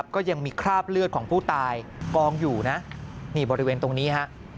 ก็ยังมีคราบเลือดของผู้ตายกองอยู่นะนี่บริเวณตรงนี้ฮะ